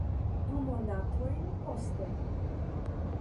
Du monatojn poste.